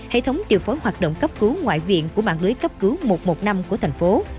hệ thống điều phối hoạt động cấp cứu ngoại viện của mạng lưới cấp cứu một trăm một mươi năm của thành phố